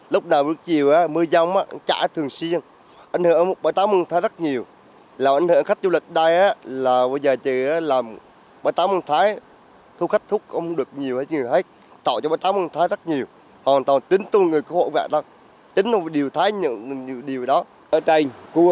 là câu chuyện không mới đối với người dân ở đây